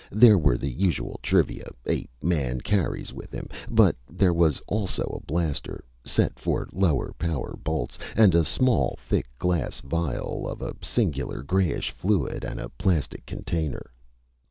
There were the usual trivia a man carries with him. But there was also a blaster set for lower power bolts and a small thick glass phial of a singular grayish fluid, and a plastic container.